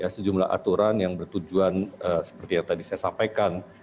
sejumlah aturan yang bertujuan seperti yang tadi saya sampaikan